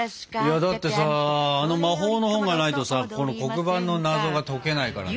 だってさあの魔法の本がないとさこの黒板の謎が解けないからね。